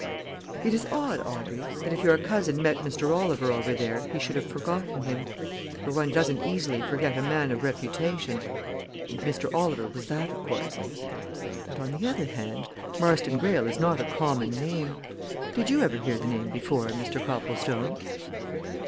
It is odd, Audrey, that if your cousin met Mr. Oliver over there he should have forgotten him. For one doesn't easily forget a man of reputation and Mr. Oliver was that of course! and on the other hand, Marston Greyle is not a common name. Did you ever hear the name before, Mr. Copplestone?"